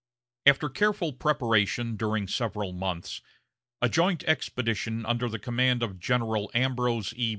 After careful preparation during several months, a joint expedition under the command of General Ambrose E.